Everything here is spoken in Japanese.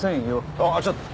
あぁちょっと！